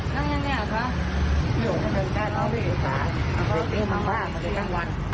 นั่งก่อน